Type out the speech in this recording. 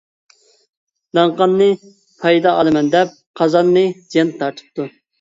داڭقاننى پايدا ئالىمەن دەپ، قازاننى زىيان تارتىپتۇ.